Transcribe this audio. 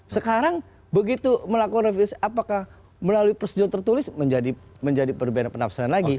sekarang begitu melakukan revisi apakah melalui prosedur tertulis menjadi berbeda penafsuran lagi